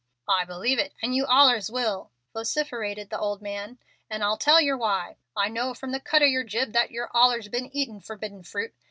"I believe it, and you allers will," vociferated the old man, "and I'll tell yer why. I know from the cut of yer jib that yer've allers been eatin' forbidden fruit.